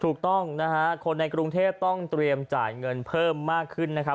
ถูกต้องนะฮะคนในกรุงเทพต้องเตรียมจ่ายเงินเพิ่มมากขึ้นนะครับ